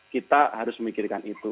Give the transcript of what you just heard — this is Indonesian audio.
kita harus memikirkan itu